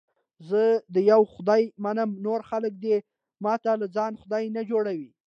زه د یوه خدای منم، نور خلک دې ماته له ځانه خدای نه جوړي.